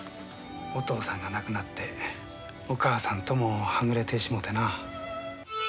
お父さんが亡くなってお母さんともはぐれてしもうてな。